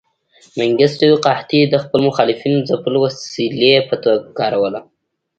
منګیستیو قحطي د خپلو مخالفینو ځپلو وسیلې په توګه کاروله.